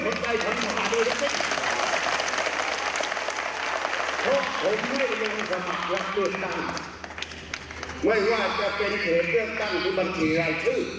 เพราะผมไม่ยังสมัครลักษณ์โดยศาลไม่ว่าจะเป็นเหตุเบื้องตั้งหรือมันเปลี่ยนชื่อ